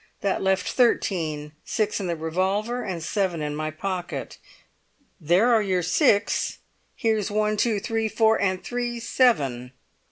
That left thirteen—six in the revolver and seven in my pocket. There are your six, and here's one, two, three, four—and three's seven!"